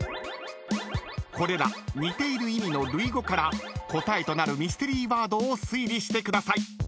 ［これら似ている意味の類語から答えとなるミステリーワードを推理してください］